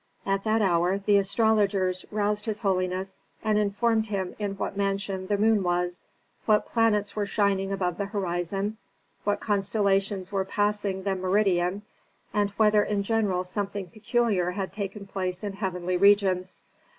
At that hour the astrologers roused his holiness and informed him in what mansion the moon was, what planets were shining above the horizon, what constellations were passing the meridian and whether in general something peculiar had taken place in heavenly regions.